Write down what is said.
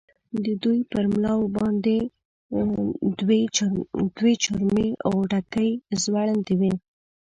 د دوی پر ملاو باندې دوې چرمي غوټکۍ ځوړندې وې.